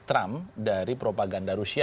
trump dari propaganda rusia